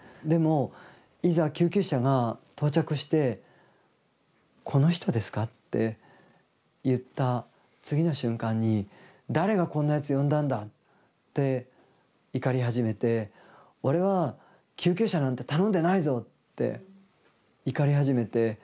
でもいざ救急車が到着して「この人ですか？」って言った次の瞬間に「誰がこんなやつ呼んだんだ」って怒り始めて「俺は救急車なんて頼んでないぞ」って怒り始めて